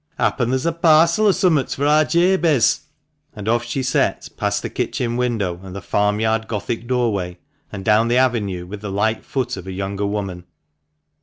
Happen theer's a parcel or summat for ar Jabez." And off she set past the kitchen window and the farm yard Gothic doorway, and down the avenue, with the light foot of a younger woman.